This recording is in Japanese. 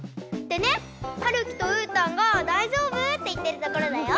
でねはるきとうーたんが「だいじょうぶ？」っていってるところだよ。